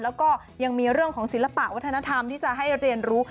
แล้วก็ยังมีเรื่องของศิลปะวัฒนธรรมที่จะให้เรียนรู้